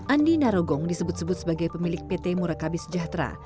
andi narogong disebut sebut sebagai pemilik pt murakabi sejahtera